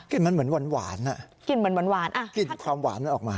มันเหมือนหวานหวานอ่ะกลิ่นเหมือนหวานอ่ะกลิ่นความหวานมันออกมา